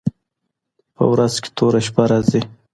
په ورځ كي توره شپـه راځي